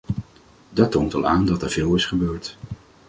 Dat toont al aan dat er veel is gebeurd.